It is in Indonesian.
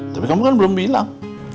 tapi kamu kan belum bilang